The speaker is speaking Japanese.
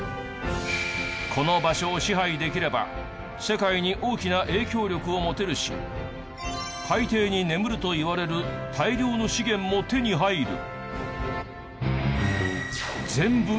この場所を支配できれば世界に大きな影響力を持てるし海底に眠るといわれる大量の資源も手に入る。